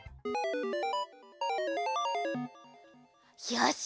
よし！